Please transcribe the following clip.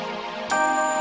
ya sudah tulenario